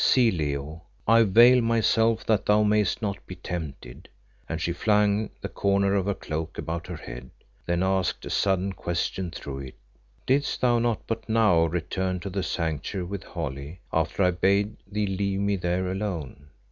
See, Leo, I veil myself that thou mayest not be tempted," and she flung the corner of her cloak about her head, then asked a sudden question through it "Didst thou not but now return to the Sanctuary with Holly after I bade thee leave me there alone?